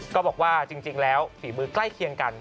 ก็บอกว่าจริงแล้วฝีมือใกล้เคียงกัน